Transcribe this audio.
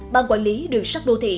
ban quản lý đường sắc đô thị